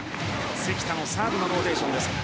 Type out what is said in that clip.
関田のサーブのローテーションです。